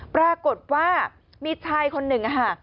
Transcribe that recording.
ปรากฏว่ามีชายคนหนึ่งค่ะ